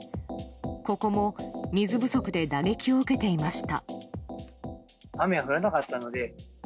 ここも水不足で打撃を受けていました。